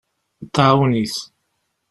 Tɛawen-it.